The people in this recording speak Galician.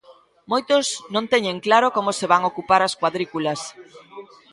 Moitos non teñen claro como se van ocupar as cuadrículas.